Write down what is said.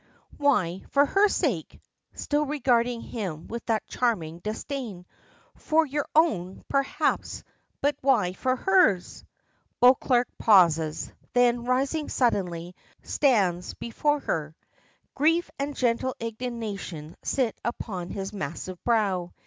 "Why for her sake?" still regarding him with that charming disdain. "For your own, perhaps, but why for hers?" Beauclerk pauses: then rising suddenly, stands before her. Grief and gentle indignation sit upon his massive brow.